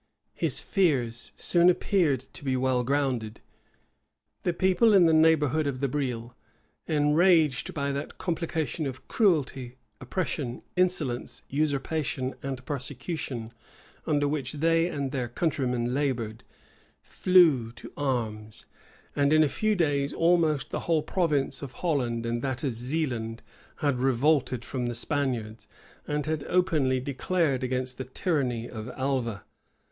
His fears soon appeared to be well grounded. The people in the neighborhood of the Brille, enraged by that complication of cruelty, oppression, insolence, usurpation, and persecution, under which they and all their countrymen labored, flew to arms; and in a few days almost all the whole province of Holland and that of Zealand had revolted from the Spaniards, and had openly declared against the tyranny of Alva.